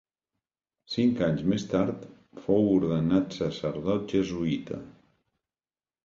Cinc anys més tard fou ordenat sacerdot jesuïta.